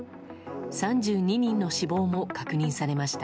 ３２人の死亡も確認されました。